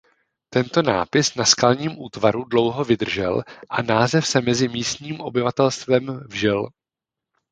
Tento nápis na skalním útvaru dlouho vydržel a název se mezi místním obyvatelstvem vžil.